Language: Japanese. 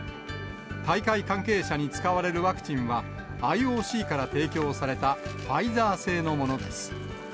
大会関係者に使われるワクチンは、ＩＯＣから提供されたファイザー製のものです。